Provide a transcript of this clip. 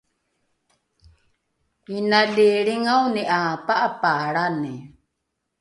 inali lringaoni ’a pa’apaalrani